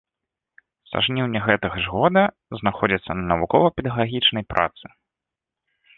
Са жніўня гэтага ж года знаходзіцца на навукова-педагагічнай працы.